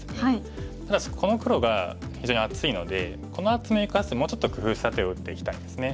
ただしこの黒が非常に厚いのでこの厚みを生かすもうちょっと工夫した手を打っていきたいんですね。